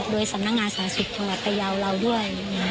โดยสำนักงานสาธารณสุขจังหวัดพยาวเราด้วย